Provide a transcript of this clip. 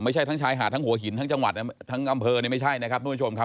ทั้งชายหาดทั้งหัวหินทั้งจังหวัดทั้งอำเภอนี่ไม่ใช่นะครับทุกผู้ชมครับ